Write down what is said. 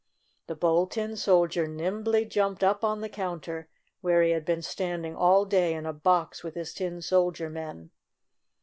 The Bold Tin Soldier nimbly jumped up on the counter, where he had been standing all day in a box with his tin sol dier men.